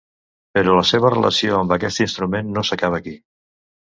Però la seva relació amb aquest instrument no s’acaba aquí.